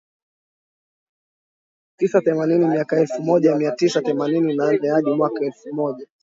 tisa themanini Miaka elfu moja mia tisa themanini na nne hadi mwaka elfu moja